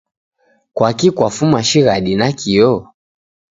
kwaki kwafuma shighadi nakio?